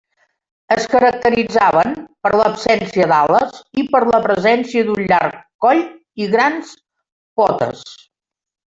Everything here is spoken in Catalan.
Es caracteritzaven per l'absència d'ales i per la presència d'un llarg coll i grans potes.